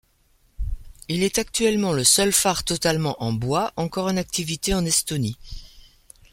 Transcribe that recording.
Il est actuellement le seul phare totalement en bois encore en activité en Estonie.